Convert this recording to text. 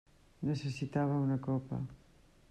Necessitava una copa.